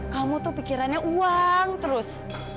kamu tuh pikirannya uang terus